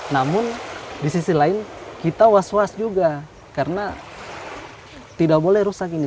namun di sisi lain kita was was juga karena tidak boleh rusak ini